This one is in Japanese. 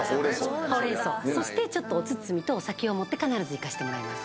そしてちょっとお包みとお酒を持って必ず行かせてもらいます。